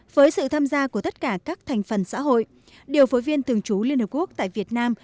với sự tham gia của tất cả các thành phần xã hội điều phối viên thường trú liên hợp quốc tại việt nam